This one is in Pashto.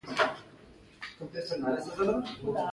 جامې باید مناسب رنګ ولري تر څو له نورو خلکو سره یې توپیر وشي.